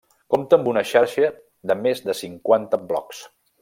Compta amb una xarxa de més de cinquanta blogs.